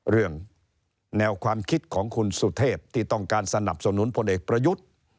เรื่องแนวความคิดของคุณสุเทพที่ต้องการสนับสนุนพลเอกประยุทธ์